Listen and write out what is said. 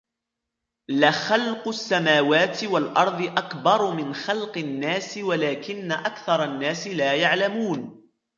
لَخَلْقُ السَّمَاوَاتِ وَالْأَرْضِ أَكْبَرُ مِنْ خَلْقِ النَّاسِ وَلَكِنَّ أَكْثَرَ النَّاسِ لَا يَعْلَمُونَ